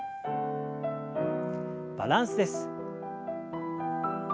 バランスです。